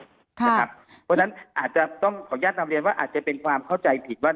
เพราะฉะนั้นอาจจะต้องขออนุญาตนำเรียนว่าอาจจะเป็นความเข้าใจผิดว่า